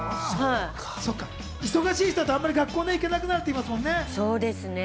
忙しいとあまり学校に行けなくなるって言いますもんね。